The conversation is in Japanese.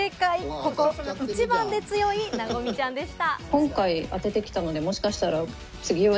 ここ一番で強い、なごみちゃんでした。